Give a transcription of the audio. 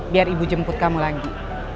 biar ibu jemput kamu lagi